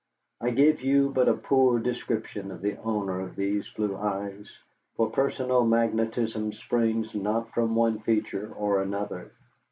I give you but a poor description of the owner of these blue eyes, for personal magnetism springs not from one feature or another.